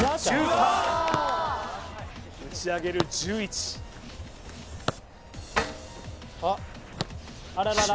打ち上げる１１あっあらららら？